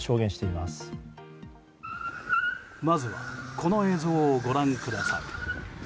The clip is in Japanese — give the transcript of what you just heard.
まずはこの映像をご覧ください。